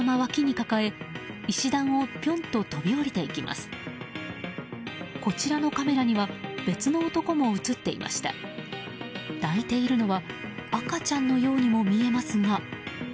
抱いているのは赤ちゃんのようにも見えますが。